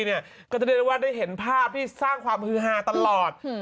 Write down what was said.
หทนุกซีเนี่ยก็จะได้เห็นภาพที่สร้างความด้วยฮาตลอด